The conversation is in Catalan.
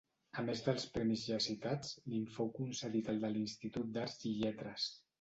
A més dels premis ja citats, li'n fou concedit el de l'Institut d'Arts i Lletres.